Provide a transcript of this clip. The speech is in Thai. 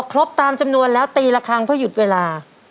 ครบตามจำนวนแล้วตีละครั้งเพื่อหยุดเวลา